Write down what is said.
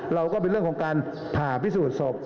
เราก็เป็นเรื่องของการผ่าพิสูจน์ศพ